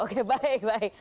oke baik baik